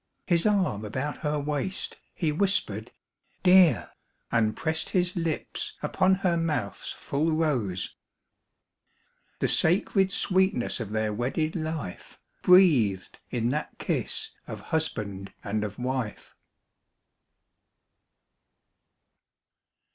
His arm about her waist, he whispered "Dear," And pressed his lips upon her mouth's full rose— The sacred sweetness of their wedded life Breathed in that kiss of husband and of wife.